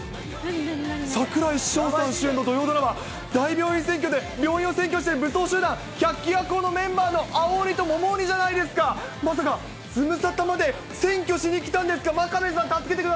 櫻井翔さん主演の土曜ドラマ、大病院占拠で病院を占拠している武装集団、百鬼夜行のメンバーの青鬼と桃鬼じゃないですか、まさかズムサタまで占拠しに来たんですか、真壁さん、助けてくだ